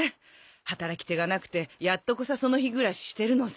働き手がなくてやっとこさその日暮らししてるのさ